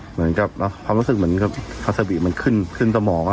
เหมือนกับความรู้สึกเหมือนกับคาซาบิมันขึ้นขึ้นสมอง